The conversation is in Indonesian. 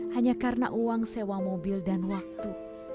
hanya karena uang sewa mobil dan waktu